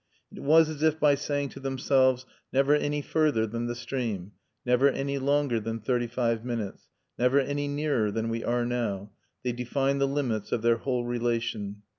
It was as if by saying to themselves, "Never any further than the stream; never any longer than thirty five minutes; never any nearer than we are now," they defined the limits of their whole relation.